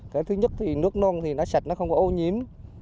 cái thứ nhất thì nước nông thì nó sạch nó không có ô nhiễm